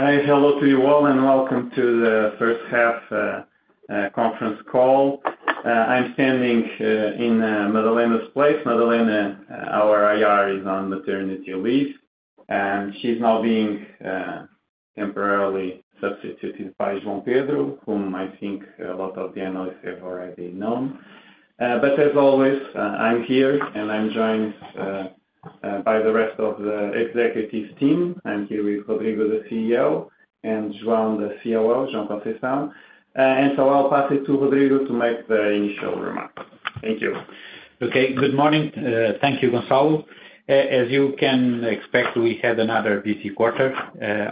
Hi, hello to you all, and welcome to the first half conference call. I'm standing in Madalena's place. Madalena, our IR, is on maternity leave, and she's now being temporarily substituted by João Pedro, whom I think a lot of the analysts have already known. But as always, I'm here, and I'm joined by the rest of the executive team. I'm here with Rodrigo, the CEO, and João, the COO, João Conceição. And so I'll pass it to Rodrigo to make the initial remarks. Thank you. Okay, good morning. Thank you, Gonçalo. As you can expect, we had another busy quarter.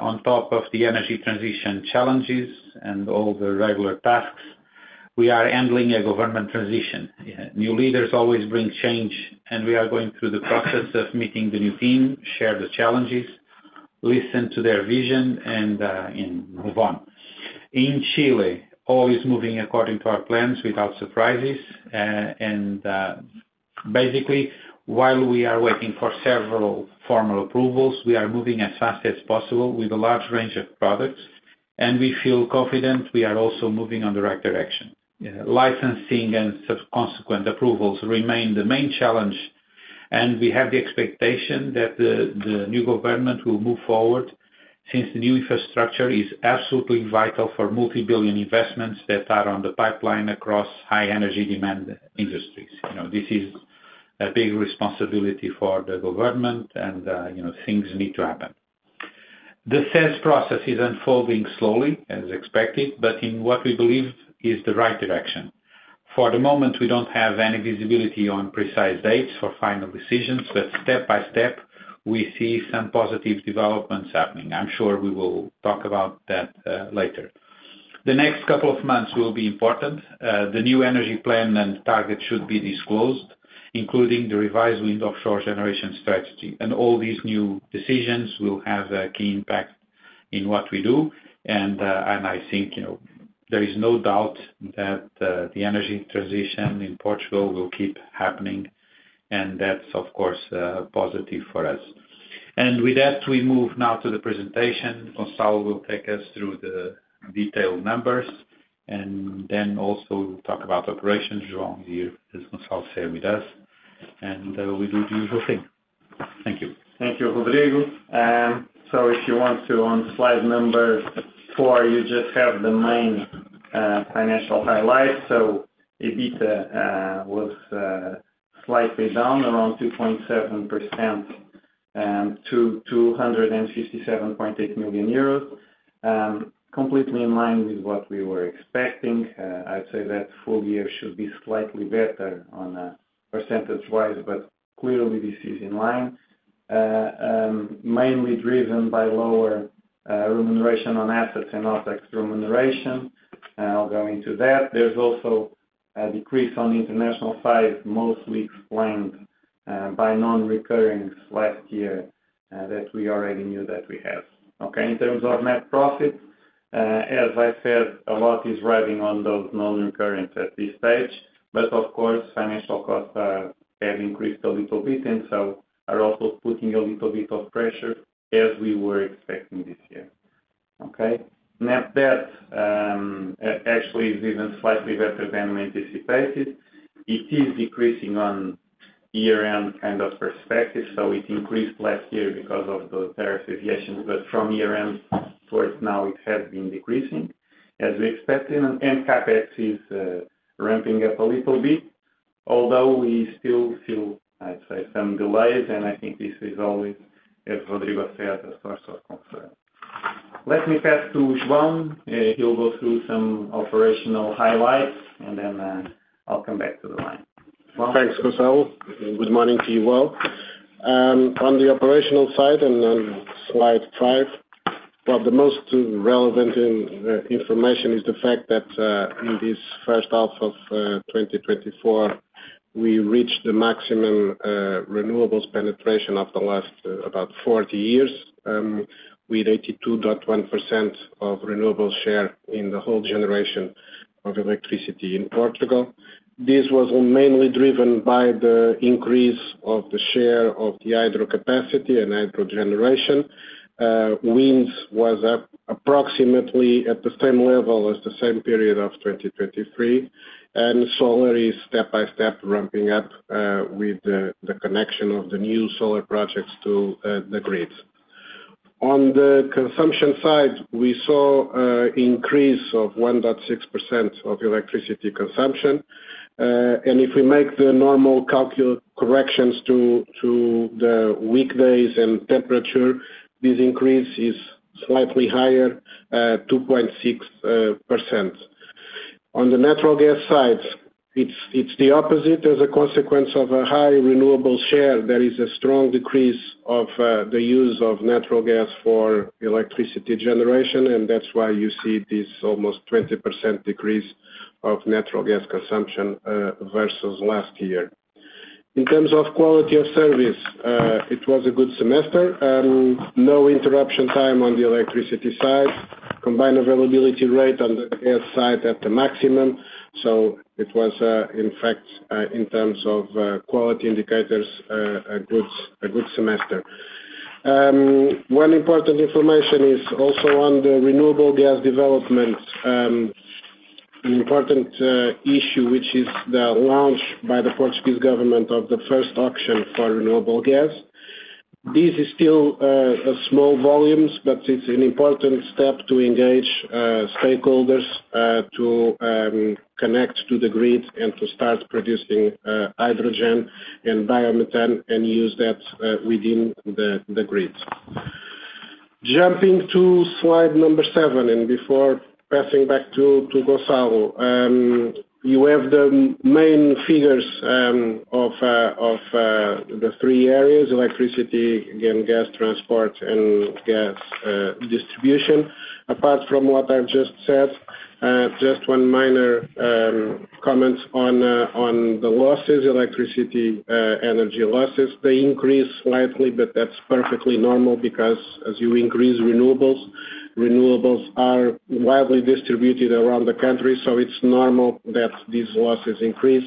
On top of the energy transition challenges and all the regular tasks, we are handling a government transition. New leaders always bring change, and we are going through the process of meeting the new team, share the challenges, listen to their vision, and, you know, move on. In Chile, all is moving according to our plans, without surprises. And, basically, while we are waiting for several formal approvals, we are moving as fast as possible with a large range of products, and we feel confident we are also moving in the right direction. Licensing and subsequent approvals remain the main challenge, and we have the expectation that the, the new government will move forward since the new infrastructure is absolutely vital for multi-billion investments that are on the pipeline across high-energy demand industries. You know, this is a big responsibility for the government, and, you know, things need to happen. The sales process is unfolding slowly, as expected, but in what we believe is the right direction. For the moment, we don't have any visibility on precise dates for final decisions, but step by step, we see some positive developments happening. I'm sure we will talk about that, later. The next couple of months will be important. The new energy plan and target should be disclosed, including the revised offshore wind generation strategy. And all these new decisions will have a key impact in what we do. And I think, you know, there is no doubt that the energy transition in Portugal will keep happening, and that's, of course, positive for us. And with that, we move now to the presentation. Gonçalo will take us through the detailed numbers, and then also we'll talk about operations. João is here, as Gonçalo said, with us, and, we do the usual thing. Thank you. Thank you, Rodrigo. So if you want to, on slide number 4, you just have the main financial highlights. So EBITDA was slightly down around 2.7% to 257.8 million euros, completely in line with what we were expecting. I'd say that full year should be slightly better on percentage-wise, but clearly this is in line, mainly driven by lower remuneration on assets and OpEx remuneration. I'll go into that. There's also a decrease on international side, mostly explained by non-recurring last year, that we already knew that we had. Okay, in terms of net profit, as I said, a lot is riding on those non-recurring at this stage, but of course, financial costs have increased a little bit, and so are also putting a little bit of pressure, as we were expecting this year. Okay, net debt actually is even slightly better than we anticipated. It is decreasing on year-end kind of perspective, so it increased last year because of the tariff deviation, but from year-end towards now, it has been decreasing, as we expected. And CapEx is ramping up a little bit, although we still feel, I'd say, some delays, and I think this is always, as Rodrigo said, a source of concern. Let me pass to João. He'll go through some operational highlights, and then, I'll come back to the line. Thanks, Gonçalo. Good morning to you all. On the operational side and slide five, well, the most relevant information is the fact that, in this first half of 2024, we reached the maximum renewables penetration of the last about 40 years, with 82.1% of renewables share in the whole generation of electricity in Portugal. This was mainly driven by the increase of the share of the hydro capacity and hydro generation. Wind was at approximately the same level as the same period of 2023, and solar is step by step ramping up, with the connection of the new solar projects to the grids. On the consumption side, we saw increase of 1.6% of electricity consumption. And if we make the normal calendar corrections to the weekdays and temperature, this increase is slightly higher, 2.6%. On the natural gas side, it's the opposite. As a consequence of a high renewables share, there is a strong decrease of the use of natural gas for electricity generation, and that's why you see this almost 20% decrease of natural gas consumption versus last year. In terms of quality of service, it was a good semester. No interruption time on the electricity side. Combined availability rate on the gas side at the maximum. So it was, in fact, in terms of quality indicators, a good, a good semester. One important information is also on the renewable gas development, an important issue, which is the launch by the Portuguese government of the first auction for renewable gas. This is still a small volumes, but it's an important step to engage stakeholders to connect to the grid and to start producing hydrogen and biomethane and use that within the grid. Jumping to slide number 7, and before passing back to Gonçalo, you have the main figures of the three areas: electricity, again, gas transport, and gas distribution. Apart from what I've just said, just one minor comment on the electricity energy losses. They increase slightly, but that's perfectly normal because as you increase renewables, renewables are widely distributed around the country, so it's normal that these losses increase.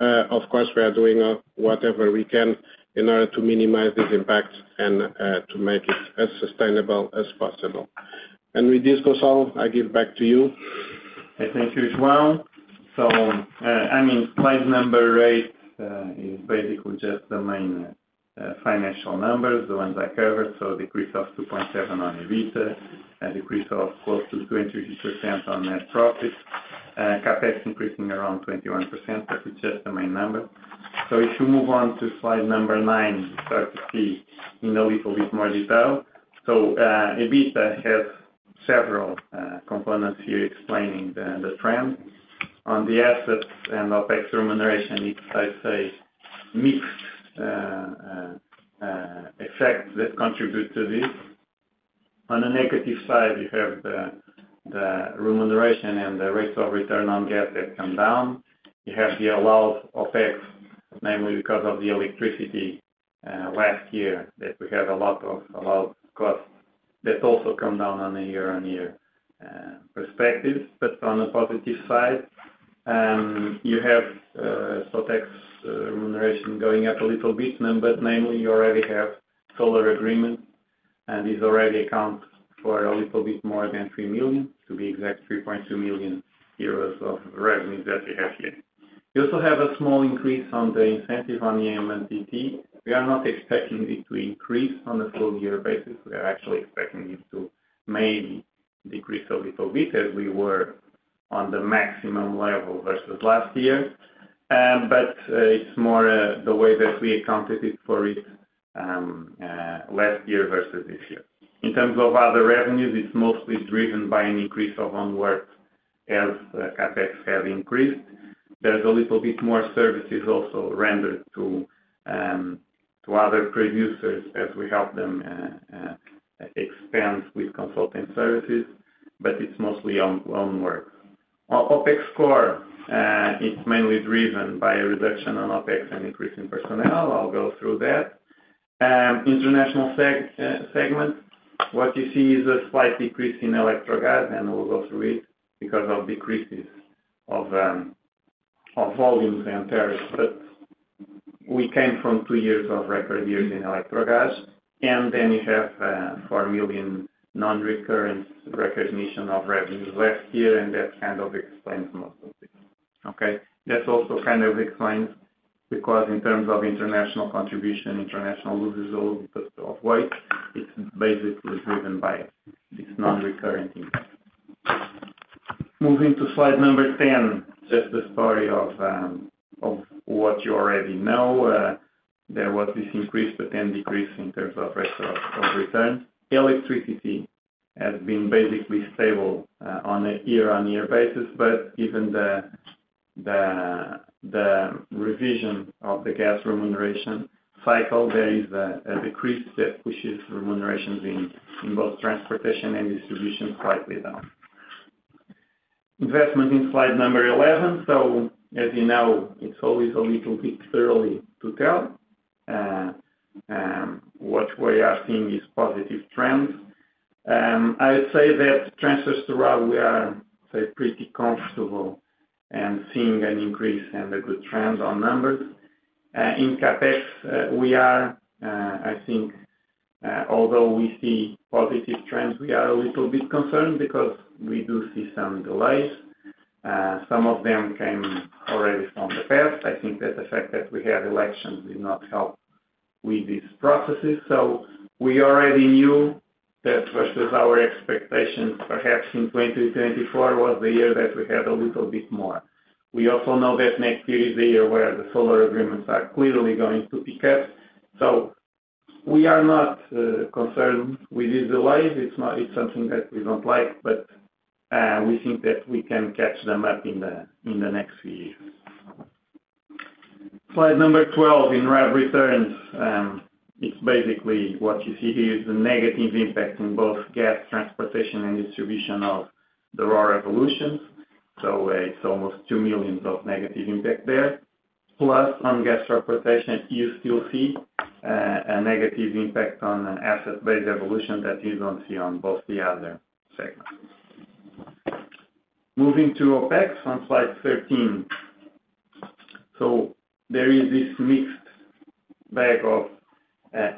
Of course, we are doing whatever we can in order to minimize these impacts and to make it as sustainable as possible. With this, Gonçalo, I give back to you. Okay, thank you, João. So, I mean, slide number 8 is basically just the main financial numbers, the ones I covered. So decrease of 2.7 on EBITDA, a decrease of close to 23% on net profits, CapEx increasing around 21%, but it's just the main number. So if you move on to slide number 9, you start to see in a little bit more detail. So, EBITDA has several components here explaining the trend. On the assets and OpEx remuneration, it's, I'd say, mixed effects that contribute to this. On the negative side, you have the remuneration and the rates of return on gas that come down. You have the allowed OpEx, mainly because of the electricity last year, that we had a lot of allowed costs that also come down on a year-on-year perspective. But on the positive side, you have so tax remuneration going up a little bit, but mainly you already have solar agreements, and this already accounts for a little bit more than 3 million, to be exact, 3.2 million euros of revenues that we have here. You also have a small increase on the incentive on IMDT. We are not expecting it to increase on a full-year basis. We are actually expecting it to maybe decrease a little bit, as we were on the maximum level versus last year. But it's more the way that we accounted it for it last year versus this year. In terms of other revenues, it's mostly driven by an increase of own works as CapEx has increased. There's a little bit more services also rendered to other producers as we help them expand with consulting services, but it's mostly own works. On OpEx core, it's mainly driven by a reduction on OpEx and increase in personnel. I'll go through that. International segment, what you see is a slight decrease in Electrogas, and we'll go through it because of decreases of volumes and tariffs. But we came from two years of record years in Electrogas, and then you have 4 million non-recurrence recognition of revenues last year, and that kind of explains most of it. Okay, that's also kind of explains because in terms of international contribution, international loses a little bit of weight. It's basically driven by this non-recurrent income. Moving to slide number 10, just the story of what you already know, there was this increase but then decrease in terms of rates of return. Electricity has been basically stable, on a year-on-year basis, but given the revision of the gas remuneration cycle, there is a decrease that pushes remunerations in both transportation and distribution slightly down. Investment in slide number 11. So, as you know, it's always a little bit early to tell, what we are seeing is positive trends. I'd say that transfers throughout, we are, say, pretty comfortable and seeing an increase and a good trend on numbers. In CapEx, we are, I think, although we see positive trends, we are a little bit concerned because we do see some delays. Some of them came already from the past. I think that the fact that we had elections did not help with these processes. So we already knew that versus our expectations, perhaps in 2024 was the year that we had a little bit more. We also know that next year is the year where the solar agreements are clearly going to pick up. So we are not concerned with these delays. It's not. It's something that we don't like, but we think that we can catch them up in the next few years. Slide 12 in REN returns. It's basically what you see here is the negative impact in both gas transportation and distribution of the RoR revisions. So it's almost 2 million of negative impact there. Plus on gas transportation, you still see a negative impact on asset base evolution that you don't see on both the other segments. Moving to OpEx on slide 13. So there is this mixed bag of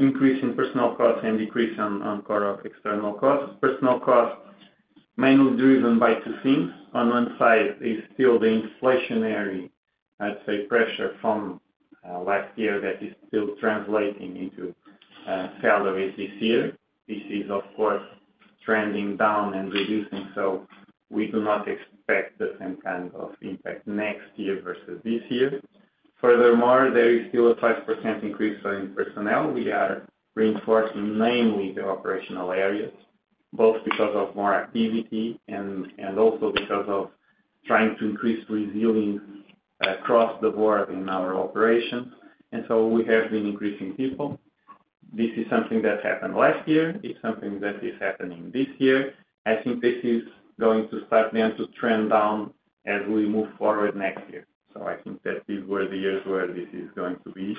increase in personnel costs and decrease on contract external costs. Personnel costs mainly driven by two things. On one side is still the inflationary, I'd say, pressure from last year that is still translating into salaries this year. This is, of course, trending down and reducing, so we do not expect the same kind of impact next year versus this year. Furthermore, there is still a 5% increase in personnel. We are reinforcing mainly the operational areas, both because of more activity and also because of trying to increase resilience across the board in our operations. And so we have been increasing people. This is something that happened last year. It's something that is happening this year. I think this is going to start then to trend down as we move forward next year. So I think that these were the years where this is going to be.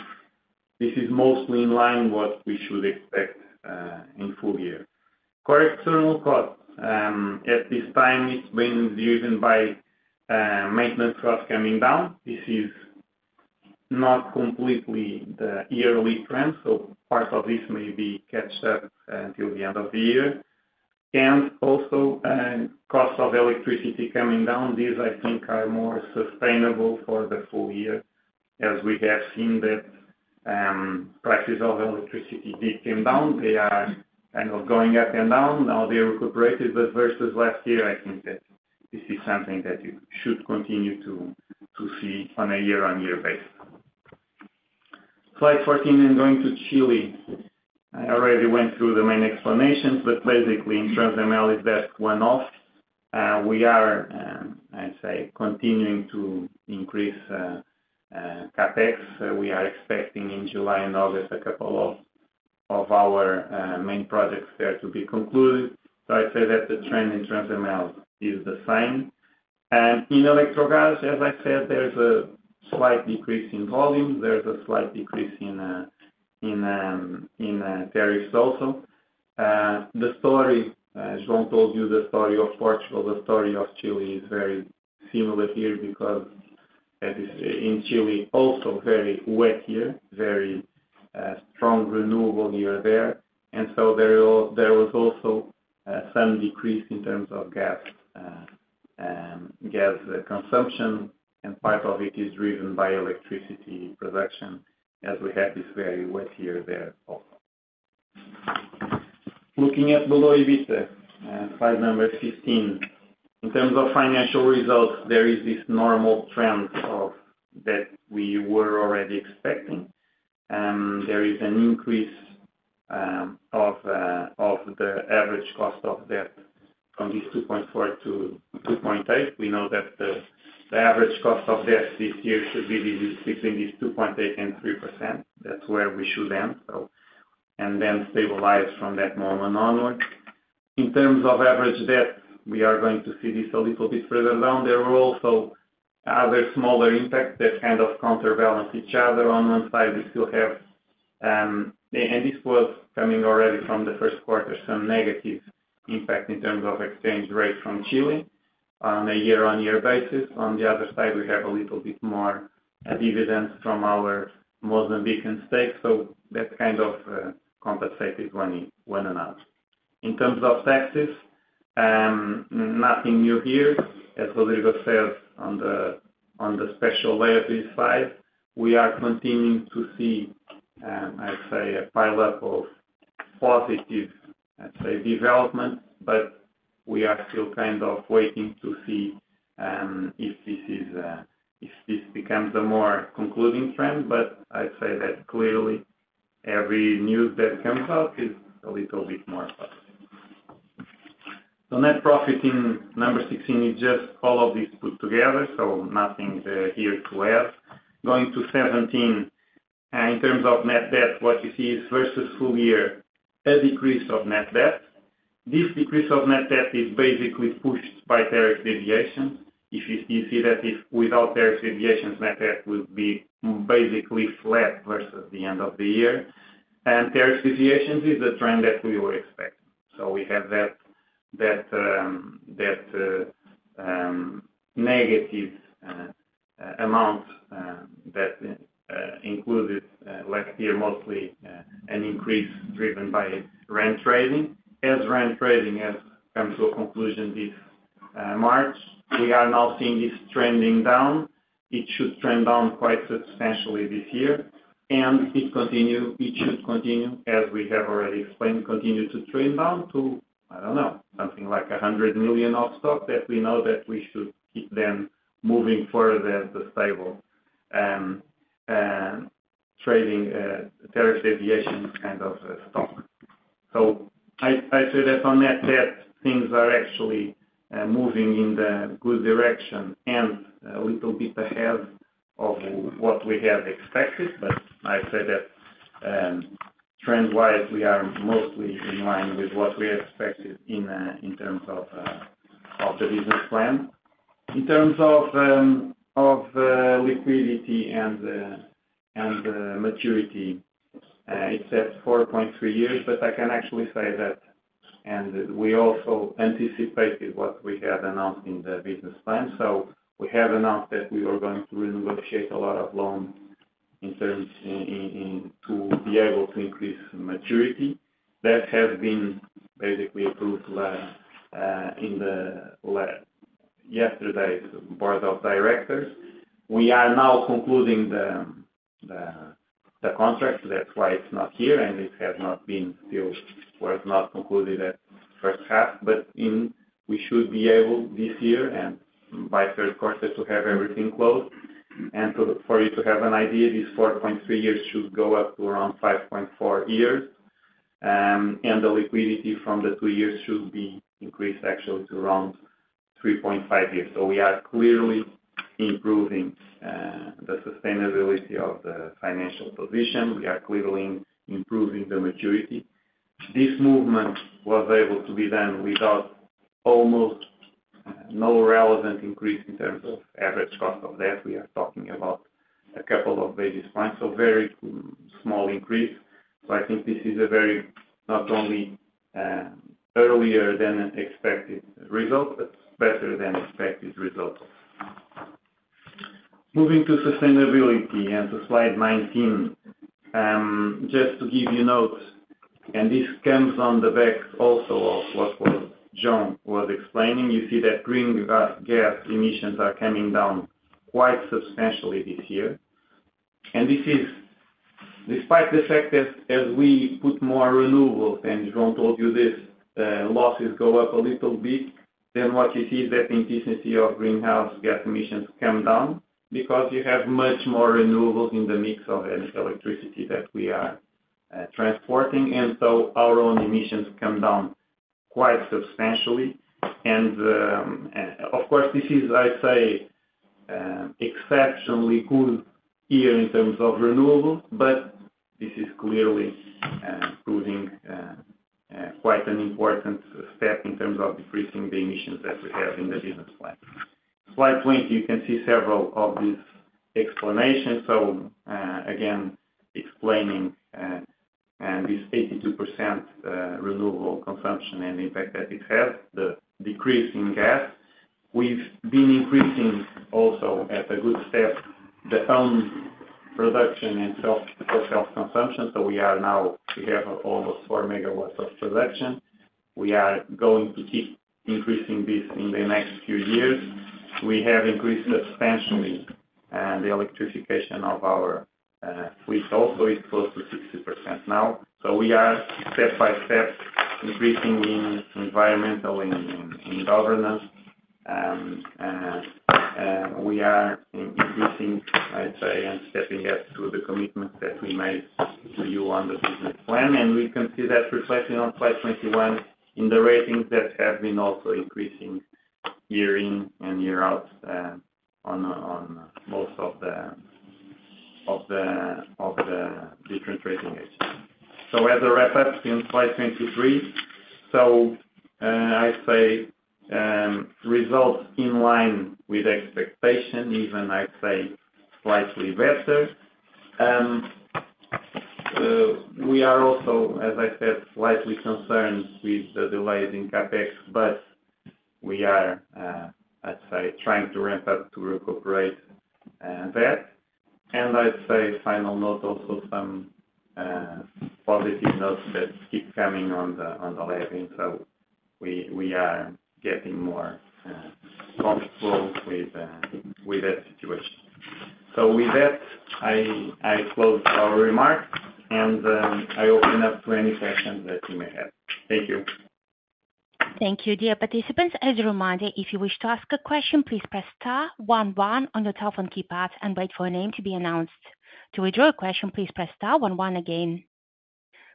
This is mostly in line with what we should expect in full year. Core external costs, at this time, it's been driven by maintenance costs coming down. This is not completely the yearly trend, so part of this may be caught up until the end of the year. And also, cost of electricity coming down. These, I think, are more sustainable for the full year, as we have seen that prices of electricity did come down. They are kind of going up and down. Now they're recovered, but versus last year, I think that this is something that you should continue to see on a year-on-year basis. Slide 14, then going to Chile. I already went through the main explanations, but basically, in Transemel, it's that one-off. We are, I'd say, continuing to increase CapEx. We are expecting in July and August a couple of our main projects there to be concluded. So I'd say that the trend in Transemel is the same. And in Electrogas, as I said, there's a slight decrease in volumes. There's a slight decrease in tariffs also. The story, João told you the story of Portugal, the story of Chile is very similar here because in Chile, also very wet year, very strong renewable year there. And so there was also some decrease in terms of gas consumption, and part of it is driven by electricity production as we had this very wet year there also. Looking at EBITDA, slide number 15, in terms of financial results, there is this normal trend of that we were already expecting. There is an increase of the average cost of debt from this 2.4 to 2.8. We know that the average cost of debt this year should be between 2.8% and 3%. That's where we should end, so, and then stabilize from that moment onwards. In terms of average debt, we are going to see this a little bit further down. There were also other smaller impacts that kind of counterbalance each other. On one side, we still have, and this was coming already from the first quarter, some negative impact in terms of exchange rate from Chile on a year-on-year basis. On the other side, we have a little bit more dividends from our Mozambican stake. So that kind of compensated one another. In terms of taxes, nothing new here. As Rodrigo said, on the special layout this side, we are continuing to see, I'd say, a pile-up of positive, I'd say, developments, but we are still kind of waiting to see if this is, if this becomes a more concluding trend. But I'd say that clearly every news that comes out is a little bit more positive. So net profit in 16 is just all of these put together, so nothing here to add. Going to 17, in terms of net debt, what you see is versus full year, a decrease of net debt. This decrease of net debt is basically pushed by tariff deviations. If you see that without tariff deviations, net debt would be basically flat versus the end of the year. Tariff deviations is the trend that we were expecting. So we have that negative amount that included last year mostly an increase driven by REN Trading. As REN Trading has come to a conclusion this March, we are now seeing this trending down. It should trend down quite substantially this year, and it should continue, as we have already explained, to trade down to, I don't know, something like 100 million of stock that we know that we should keep them moving further as the stable trading tariff deviation kind of stock. So I'd say that on that debt, things are actually moving in the good direction and a little bit ahead of what we had expected. But I'd say that, trend-wise, we are mostly in line with what we expected in terms of the business plan. In terms of liquidity and maturity, it's at 4.3 years, but I can actually say that, and we also anticipated what we had announced in the business plan. So we have announced that we were going to renegotiate a lot of loans in terms to be able to increase maturity. That has been basically approved in yesterday's board of directors. We are now concluding the contract. That's why it's not here, and it has not been still, was not concluded at first half. But we should be able this year and by third quarter to have everything closed. And so for you to have an idea, these 4.3 years should go up to around 5.4 years, and the liquidity from the 2 years should be increased actually to around 3.5 years. So we are clearly improving the sustainability of the financial position. We are clearly improving the maturity. This movement was able to be done without almost no relevant increase in terms of average cost of debt. We are talking about a couple of basis points, so very small increase. So I think this is a very, not only, earlier than expected result, but better than expected result. Moving to sustainability and to slide 19, just to give you notes, and this comes on the back also of what João was explaining. You see that greenhouse gas emissions are coming down quite substantially this year. And this is despite the fact that as we put more renewables, and João told you this, losses go up a little bit, then what you see is that the intensity of greenhouse gas emissions come down because you have much more renewables in the mix of electricity that we are transporting. And so our own emissions come down quite substantially. And, of course, this is, I'd say, exceptionally good here in terms of renewables, but this is clearly proving quite an important step in terms of decreasing the emissions that we have in the business plan. Slide 20, you can see several of these explanations. So, again, explaining this 82% renewable consumption and the impact that it has, the decrease in gas. We've been increasing also at a good step the own production and self for self-consumption. So we are now, we have almost 4 MW of production. We are going to keep increasing this in the next few years. We have increased substantially the electrification of our fleet, which also is close to 60% now. So we are step by step increasing in environmental and governance. We are increasing, I'd say, and stepping up to the commitment that we made to you on the business plan. And we can see that reflected on slide 21 in the ratings that have been also increasing year in and year out, on most of the different rating agencies. So as a wrap-up in slide 23, so, I'd say, results in line with expectation, even, I'd say, slightly better. We are also, as I said, slightly concerned with the delays in CapEx, but we are, I'd say, trying to ramp up to recuperate that. I'd say final note also, some positive notes that keep coming on the back. And so we are getting more comfortable with that situation. So with that, I close our remarks, and I open up to any questions that you may have. Thank you. Thank you, dear participants. As a reminder, if you wish to ask a question, please press star one one on your telephone keypad and wait for a name to be announced. To withdraw a question, please press star one one again.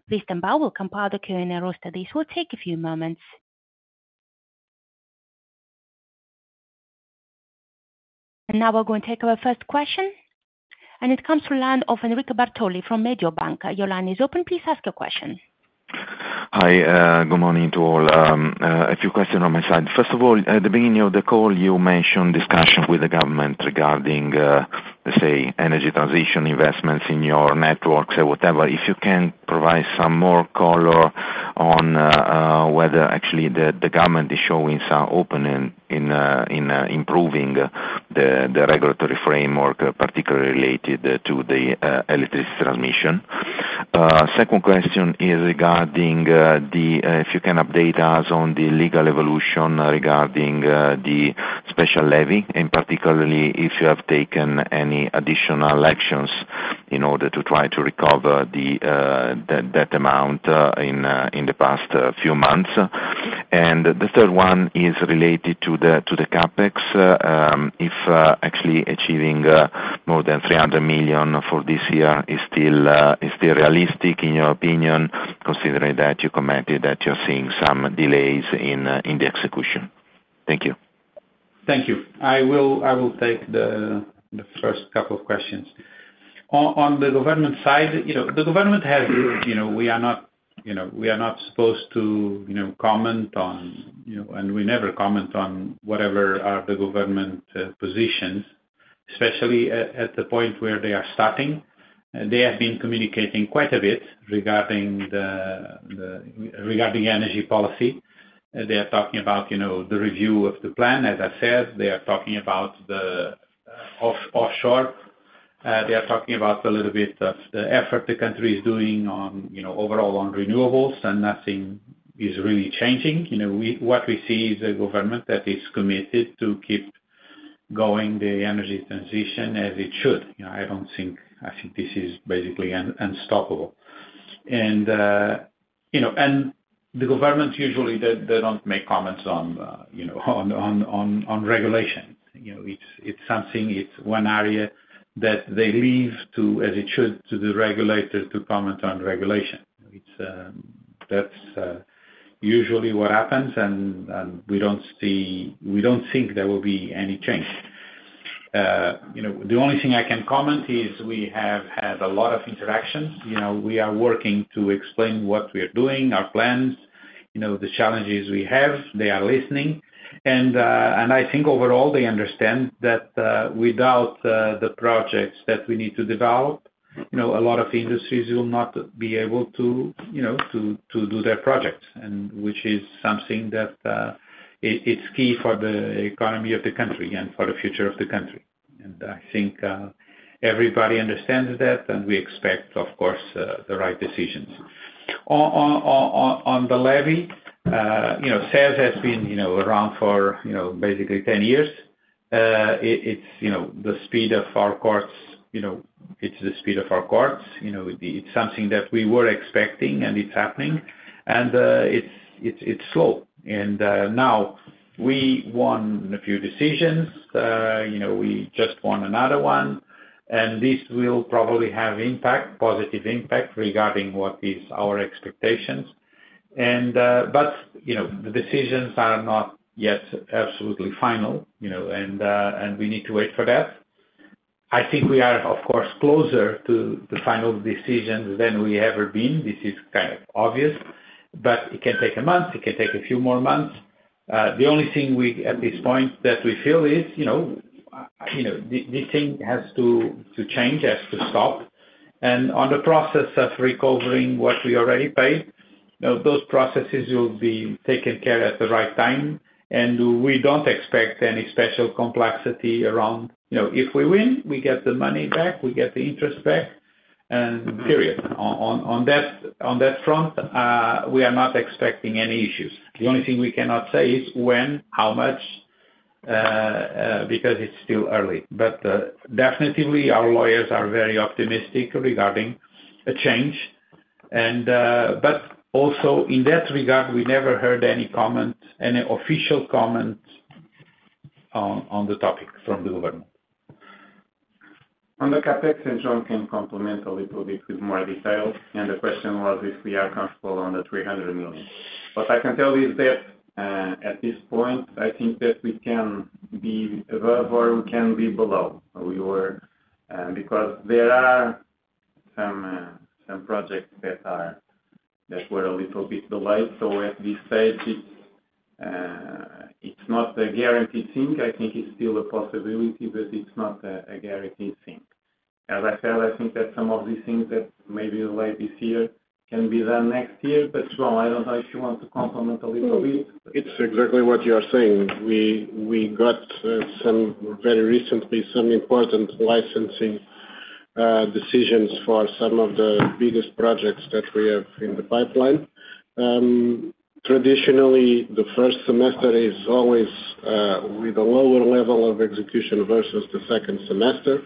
Please stand by, we'll compile the Q&A roster. This will take a few moments. And now we're going to take our first question, and it comes from the line of Enrico Bertoli from Mediobanca. Your line is open. Please ask your question. Hi, good morning to all. A few questions on my side. First of all, at the beginning of the call, you mentioned discussion with the government regarding, let's say, energy transition investments in your networks or whatever. If you can provide some more color on whether actually the government is showing some opening in improving the regulatory framework, particularly related to the electricity transmission. Second question is regarding if you can update us on the legal evolution regarding the special levy, and particularly if you have taken any additional actions in order to try to recover that amount in the past few months. The third one is related to the CapEx. If actually achieving more than 300 million for this year is still realistic in your opinion, considering that you committed that you're seeing some delays in the execution. Thank you. Thank you. I will take the first couple of questions. On the government side, you know, the government has, you know, we are not, you know, we are not supposed to, you know, comment on, you know, and we never comment on whatever the government positions are, especially at the point where they are starting. They have been communicating quite a bit regarding energy policy. They are talking about, you know, the review of the plan. As I said, they are talking about offshore. They are talking about a little bit of the effort the country is doing on, you know, overall on renewables, and nothing is really changing. You know, what we see is a government that is committed to keep going the energy transition as it should. You know, I think this is basically unstoppable. You know, the government usually that don't make comments on, you know, on regulation. You know, it's something, it's one area that they leave to, as it should, to the regulator to comment on regulation. That's usually what happens, and we don't see, we don't think there will be any change. You know, the only thing I can comment is we have had a lot of interactions. You know, we are working to explain what we are doing, our plans, you know, the challenges we have. They are listening. I think overall they understand that without the projects that we need to develop, you know, a lot of industries will not be able to, you know, to do their projects, and which is something that it's key for the economy of the country and for the future of the country. I think everybody understands that, and we expect, of course, the right decisions. On the levy, you know, CESE has been, you know, around for, you know, basically 10 years. It's, you know, the speed of our courts, you know, it's the speed of our courts. You know, it's something that we were expecting, and it's happening. And it's slow. And now we won a few decisions. You know, we just won another one, and this will probably have impact, positive impact regarding what is our expectations. But you know, the decisions are not yet absolutely final, you know, and we need to wait for that. I think we are, of course, closer to the final decision than we ever been. This is kind of obvious, but it can take a month. It can take a few more months. The only thing we at this point that we feel is, you know, this thing has to change, has to stop. And on the process of recovering what we already paid, you know, those processes will be taken care of at the right time. And we don't expect any special complexity around, you know, if we win, we get the money back, we get the interest back, and period. On that front, we are not expecting any issues. The only thing we cannot say is when, how much, because it's still early. But definitely our lawyers are very optimistic regarding a change. But also in that regard, we never heard any comment, any official comment on, on the topic from the government. On the CapEx, and João can complement a little bit with more detail. The question was if we are comfortable on the 300 million. What I can tell you is that, at this point, I think that we can be above or we can be below. We were, because there are some projects that were a little bit delayed. So at this stage, it's not a guaranteed thing. I think it's still a possibility, but it's not a guaranteed thing. As I said, I think that some of these things that may be delayed this year can be done next year. But João, I don't know if you want to complement a little bit. It's exactly what you are saying. We got very recently some important licensing decisions for some of the biggest projects that we have in the pipeline. Traditionally, the first semester is always with a lower level of execution versus the second semester.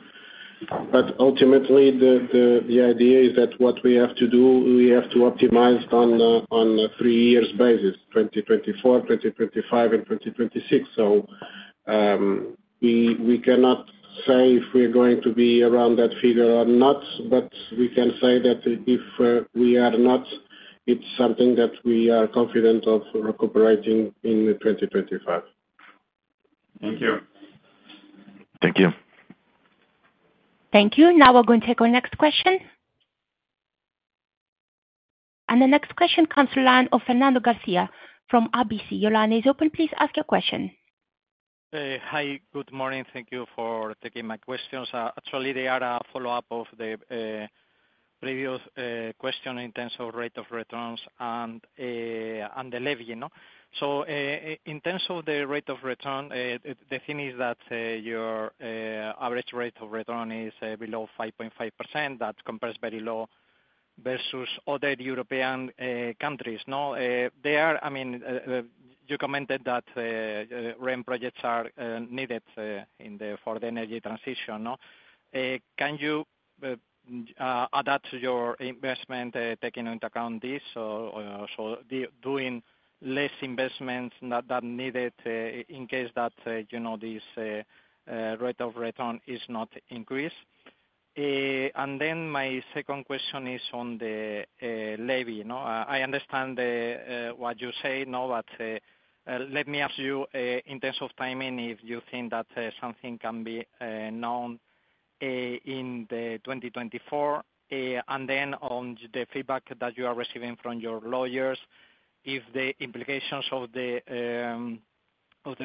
But ultimately, the idea is that what we have to do, we have to optimize on a three-year basis, 2024, 2025, and 2026. So, we cannot say if we're going to be around that figure or not, but we can say that if we are not, it's something that we are confident of recuperating in 2025. Thank you. Thank you. Thank you. Now we're going to take our next question. The next question comes to the line of Fernando Garcia from RBC. Your line is open. Please ask your question. Hi, good morning. Thank you for taking my questions. Actually, they are a follow-up of the previous question in terms of rate of returns and the levy, you know. So, in terms of the rate of return, the thing is that your average rate of return is below 5.5%. That compares very low versus other European countries, no? They are, I mean, you commented that REN projects are needed in the for the energy transition, no? Can you adapt your investment taking into account this or or or so doing less investments that that needed in case that you know this rate of return is not increased? And then my second question is on the levy, you know. I understand what you say, no? But let me ask you, in terms of timing, if you think that something can be known in 2024, and then on the feedback that you are receiving from your lawyers, if the implications of the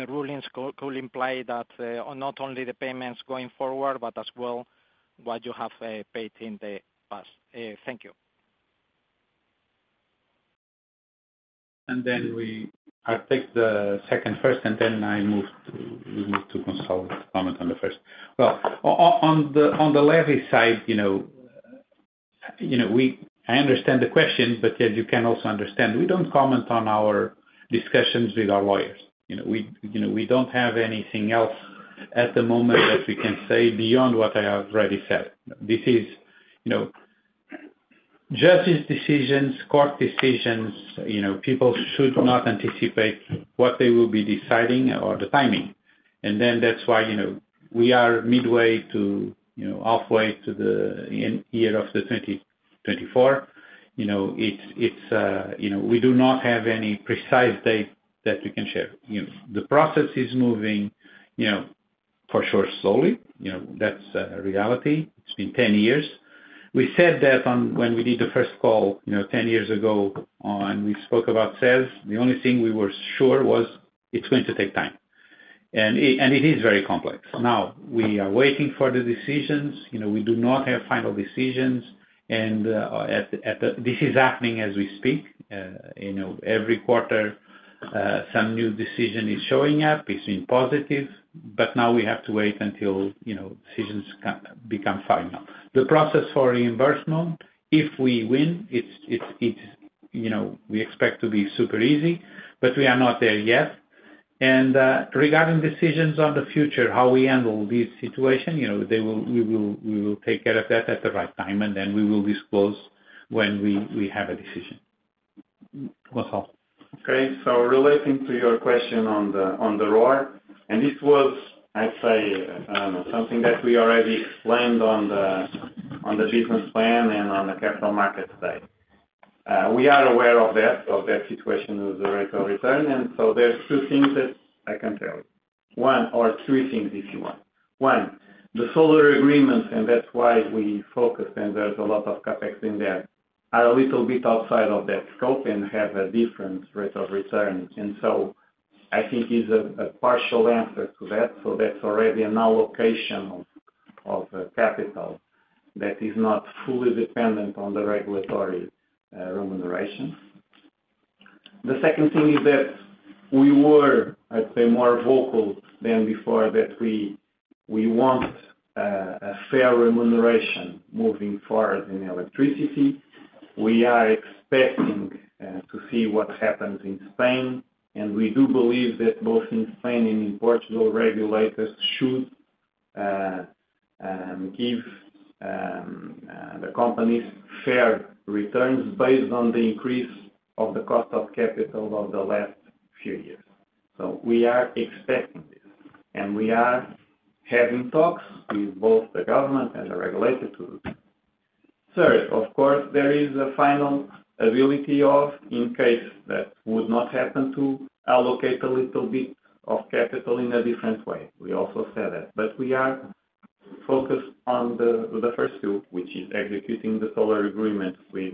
rulings could imply that not only the payments going forward, but as well what you have paid in the past. Thank you. And then we'll take the second first, and then we move to comment on the first. Well, on the levy side, you know, you know, we, I understand the question, but yet you can also understand we don't comment on our discussions with our lawyers. You know, we, you know, we don't have anything else at the moment that we can say beyond what I have already said. This is, you know, judges' decisions, court decisions, you know, people should not anticipate what they will be deciding or the timing. And then that's why, you know, we are midway to, you know, halfway to the year of the 2024. You know, it's, you know, we do not have any precise date that we can share. You know, the process is moving, you know, for sure slowly. You know, that's reality. It's been 10 years. We said that on when we did the first call, you know, 10 years ago, and we spoke about SAS. The only thing we were sure was it's going to take time. And it is very complex. Now we are waiting for the decisions. You know, we do not have final decisions. And at the, this is happening as we speak. You know, every quarter, some new decision is showing up. It's been positive. But now we have to wait until, you know, decisions become final. The process for reimbursement, if we win, it's, you know, we expect to be super easy, but we are not there yet. And, regarding decisions on the future, how we handle this situation, you know, they will, we will, we will take care of that at the right time, and then we will disclose when we have a decision. That's all. Okay. So relating to your question on the, on the ROR, and this was, I'd say, something that we already explained on the, on the business plan and on the capital markets side. We are aware of that, of that situation with the rate of return. And so there's two things that I can tell you. One or three things if you want. One, the solar agreements, and that's why we focused, and there's a lot of CapEx in there, are a little bit outside of that scope and have a different rate of return. And so I think it's a partial answer to that. So that's already an allocation of capital that is not fully dependent on the regulatory remuneration. The second thing is that we were, I'd say, more vocal than before that we want a fair remuneration moving forward in electricity. We are expecting to see what happens in Spain. And we do believe that both in Spain and in Portugal, regulators should give the companies fair returns based on the increase of the cost of capital of the last few years. So we are expecting this, and we are having talks with both the government and the regulators to do this. Third, of course, there is a final ability of, in case that would not happen, to allocate a little bit of capital in a different way. We also said that. But we are focused on the first two, which is executing the solar agreements with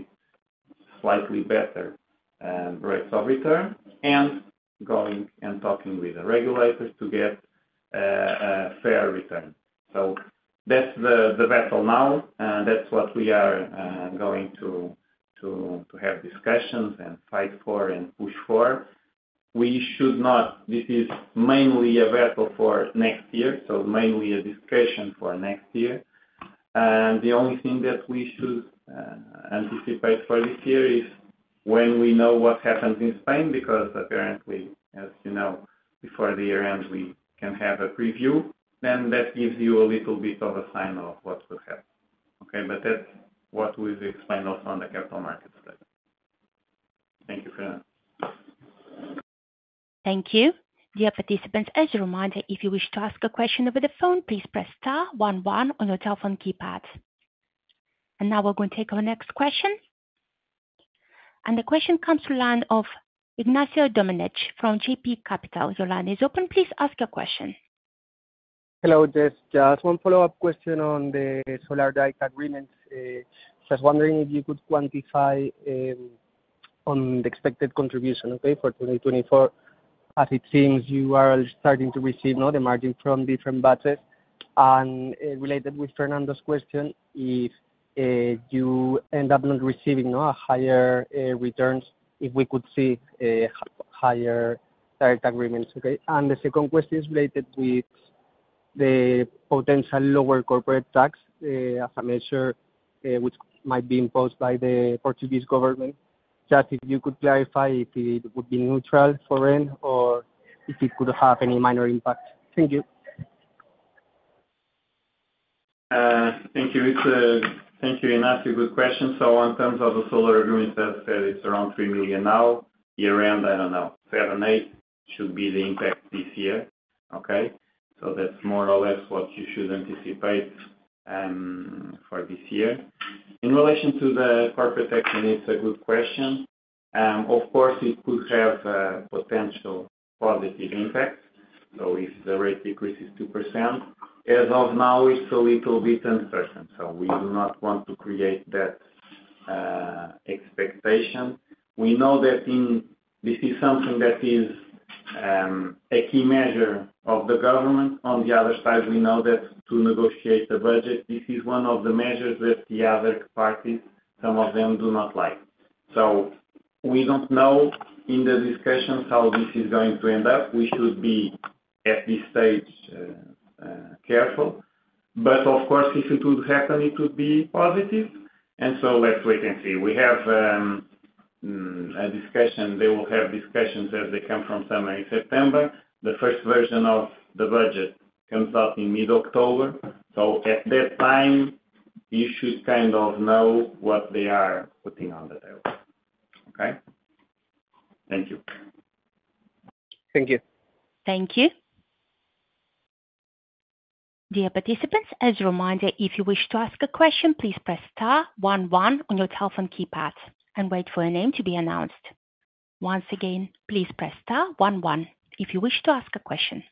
slightly better rates of return and going and talking with the regulators to get a fair return. So that's the battle now. That's what we are going to have discussions and fight for and push for. We should not; this is mainly a battle for next year. So mainly a discussion for next year. And the only thing that we should anticipate for this year is when we know what happens in Spain, because apparently, as you know, before the year ends, we can have a preview. Then that gives you a little bit of a sign of what will happen. Okay? But that's what we've explained also on the capital markets side. Thank you for that. Thank you. Dear participants, as a reminder, if you wish to ask a question over the phone, please press star one one on your telephone keypad. And now we're going to take our next question. And the question comes from Ignacio Domenech of JB Capital. Your line is open. Please ask your question. Hello. Just one follow-up question on the solar direct agreements. Just wondering if you could quantify, on the expected contribution, okay, for 2024, as it seems you are starting to receive, you know, the margin from different batches. And, related with Fernando's question, if you end up not receiving, you know, a higher returns, if we could see higher direct agreements. Okay? And the second question is related with the potential lower corporate tax, as a measure, which might be imposed by the Portuguese government. Just if you could clarify if it would be neutral for REN or if it could have any minor impact. Thank you. Thank you. It's a thank you enough. Good question. So in terms of the solar agreements, as I said, it's around 3 million now. Year end, I don't know, 7-8 million should be the impact this year. Okay? So that's more or less what you should anticipate, for this year. In relation to the corporate taxing, it's a good question. Of course, it could have a potential positive impact. So if the rate decreases 2%, as of now, it's a little bit uncertain. So we do not want to create that expectation. We know that this is something that is a key measure of the government. On the other side, we know that to negotiate the budget, this is one of the measures that the other parties, some of them, do not like. So we don't know in the discussions how this is going to end up. We should be at this stage careful. But of course, if it would happen, it would be positive. So let's wait and see. We have a discussion. They will have discussions as they come from summer in September. The first version of the budget comes out in mid-October. So at that time, you should kind of know what they are putting on the table. Okay? Thank you. Thank you. Thank you. Dear participants, as a reminder, if you wish to ask a question, please press star one one on your telephone keypad and wait for your name to be announced. Once again, please press star one one if you wish to ask a question.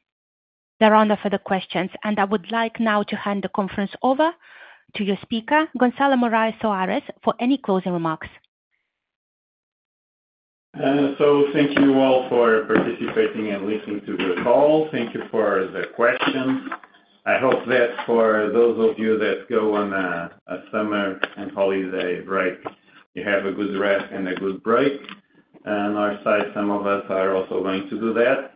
The round of further questions. And I would like now to hand the conference over to your speaker, Gonçalo Morais Soares, for any closing remarks. So thank you all for participating and listening to the call. Thank you for the questions. I hope that for those of you that go on a summer and holiday break, you have a good rest and a good break. On our side, some of us are also going to do that.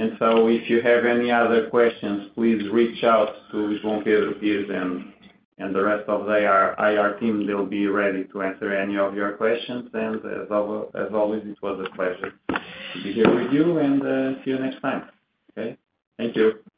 And so if you have any other questions, please reach out to João Pedro Pires and the rest of the IR team. They'll be ready to answer any of your questions. And as always, it was a pleasure to be here with you. And see you next time. Okay? Thank you.